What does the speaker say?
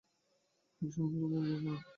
একজন সঙ্গী বেছে নাও।